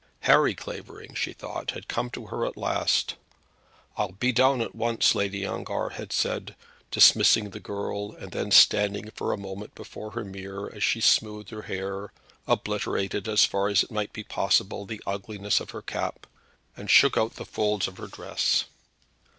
Harry Clavering, she thought, had come to her at last. "I'll be down at once," Lady Ongar had said, dismissing the girl and then standing for a moment before her mirror as she smoothed her hair, obliterated as far as it might be possible the ugliness of her cap, and shook out the folds of her dress.